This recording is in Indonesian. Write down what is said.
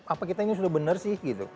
apa kita ini sudah benar sih gitu